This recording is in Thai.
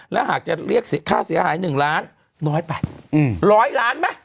และหากจะเรียกค่าเสียหาย๑ล้านน้อยไป๑๐๐ล้านไหม